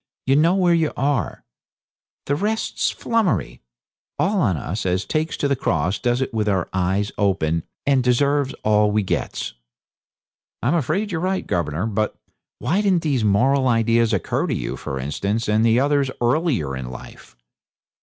You know where you are. The rest's flummery. All on us as takes to the cross does it with our eyes open, and deserves all we gets.' 'I'm afraid you're right, governor; but why didn't these moral ideas occur to you, for instance, and others earlier in life?'